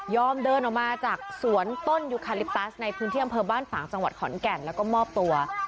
เดินออกมาจากสวนต้นยูคาลิปตัสในพื้นที่อำเภอบ้านป่างจังหวัดขอนแก่นแล้วก็มอบตัว